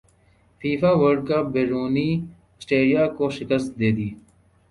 FIFA world cup Peru نے Australia کو شکست دیدی